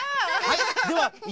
はい。